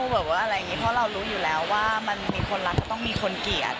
เพราะเรารู้อยู่แล้วว่ามันมีคนรักก็ต้องมีคนเกลียด